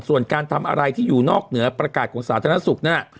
ส่วนการทำอะไรที่อยู่นอกเหนือประกาศของสาธารณสุขน่ะ